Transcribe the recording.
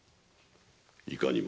いかにも。